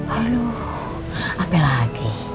aduh apa lagi